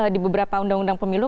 di beberapa undang undang pemilu